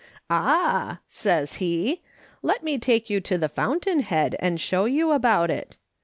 ' Ah,' says he, 'let me take you to the fountain head and show you about it.'